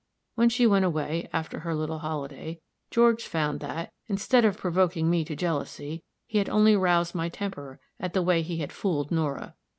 When she went away, after her little holiday, George found that, instead of provoking me to jealousy, he had only roused my temper at the way he had fooled Nora.